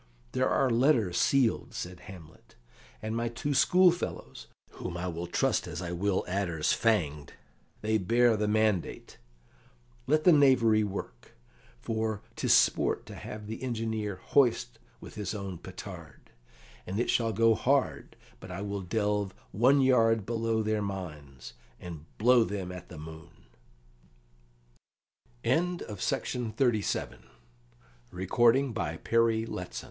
"There are letters sealed," said Hamlet, "and my two schoolfellows, whom I will trust as I will adders fanged they bear the mandate. Let the knavery work; for 'tis sport to have the engineer hoist with his own petard, and it shall go hard but I will delve one yard below their mines, and blow them at the moo